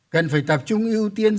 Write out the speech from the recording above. cần phải tập trung ưu tiên